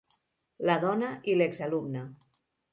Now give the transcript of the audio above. La dona i l'exalumna.